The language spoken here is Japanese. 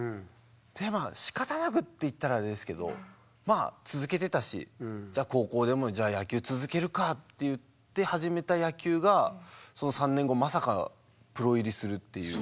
それでまあしかたなくって言ったらあれですけどまあ続けてたしじゃあ高校でも野球続けるかって言って始めた野球がその３年後まさかプロ入りするっていう。